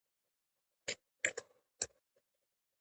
ډېر مهم پوهاوی: متکبِّر نه، مُبتَکِر اوسه